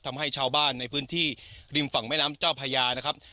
ทำให้ชาวบ้านในพื้นที่ริมฝั่งแม่น้ำเจ้าพญานะครับ